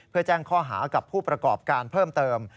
เพื่อแจ้งข้อหากับผู้ประกอบการเพิ่มเติม